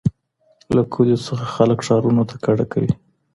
له کلیو څخه خلک ښارونو ته کډه کوي.